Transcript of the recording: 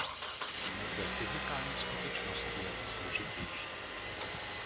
Ve fyzikální skutečnosti je to složitější.